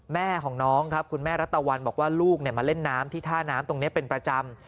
แม่ของน้องครับคุณแม่รัตวรรณบอกว่าลูกมาเล่นน้ำที่ท่าน้ำตรงนี้เป็นประจำ